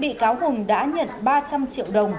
bị cáo hùng đã nhận ba trăm linh triệu đồng